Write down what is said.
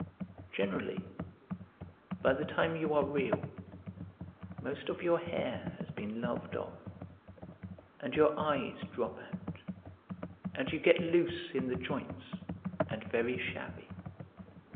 Generally, by the time you are Real, most of your hair has been loved off, and your eyes drop out and you get loose in the joints and very shabby.